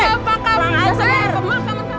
dasar pengjuang makam kamu